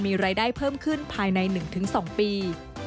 มีรายได้เพิ่มขึ้นภายใน๑๒ปี